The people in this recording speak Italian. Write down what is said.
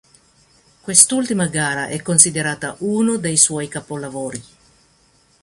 Quest'ultima gara è considerata uno dei suoi capolavori.